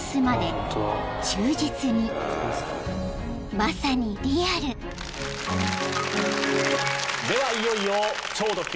［まさにリアル］ではいよいよ「超ド級！